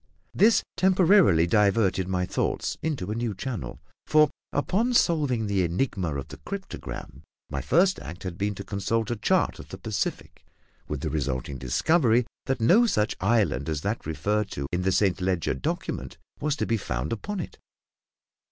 This temporarily diverted my thoughts into a new channel; for, upon solving the enigma of the cryptogram, my first act had been to consult a chart of the Pacific, with the resulting discovery that no such island as that referred to in the Saint Leger document was to be found upon it.